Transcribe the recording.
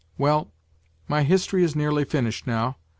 Well, my history is nearly finished now.